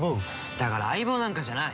だから相棒なんかじゃない！